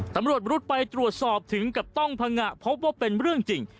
ตำรวจรุดไปตรวจสอบถึงกับต้องพังงะพบว่าเป็นเรื่องจริง